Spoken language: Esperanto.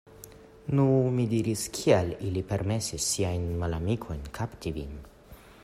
Nu, mi diris, Kial ili permesis siajn malamikojn kapti vin?